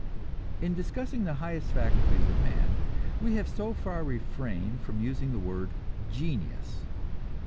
In discussing the highest faculties of man we have so far refrained from using the word "genius."